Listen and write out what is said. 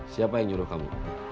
siapa yang nyuruh kamu